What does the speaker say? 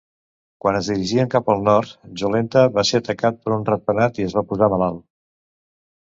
Quan es dirigien cap al nord, Jolenta va ser atacat per un ratpenat i es va posar malalt.